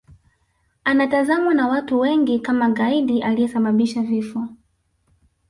Anatazamwa na watu wengi kama gaidi aliyesababisha vifo